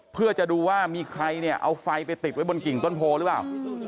เพื่อจะดูว่ามีใครเนี่ยเอาไฟไปติดไว้บนกิ่งต้นโพหรือเปล่า